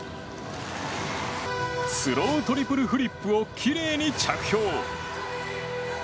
スロートリプルフリップをきれいに着氷。